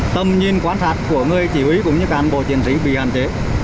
tầm nhìn quan sát của người chỉ huy cũng như cán bộ chiến sĩ bị hạn chế